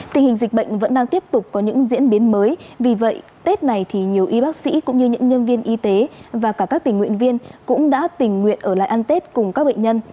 tình hình dịch bệnh vẫn đang tiếp tục có những diễn biến mới vì vậy tết này thì nhiều y bác sĩ cũng như những nhân viên y tế và cả các tình nguyện viên cũng đã tình nguyện ở lại ăn tết cùng các bệnh nhân